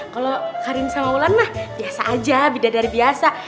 kalau karin sama mulan nah biasa aja bidadari biasa